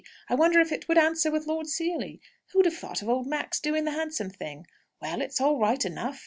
I wonder if it would answer with Lord Seely? Who'd have thought of old Max doing the handsome thing? Well, it's all right enough.